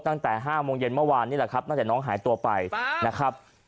ตั้งแต่๕โมงเย็นเมื่อวานนี่แหละครับตั้งแต่น้องหายตัวไปนะครับ